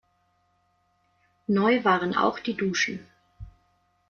Neu waren auch die Duschen.